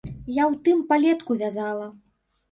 Я ў тым палетку вязала!